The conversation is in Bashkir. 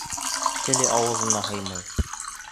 Теле ауыҙына һыймай.